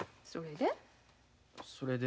それで？